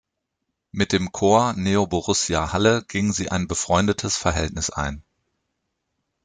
Mit dem Corps Neoborussia Halle ging sie ein befreundetes Verhältnis ein.